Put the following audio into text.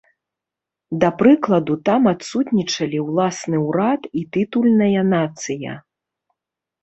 Да прыкладу там адсутнічалі ўласны ўрад і тытульная нацыя.